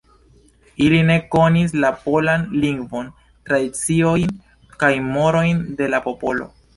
Ili ne konis la polan lingvon, tradiciojn kaj morojn de la popolo.